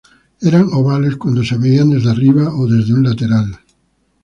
Eran ovales cuando se veían desde arriba o desde un lateral.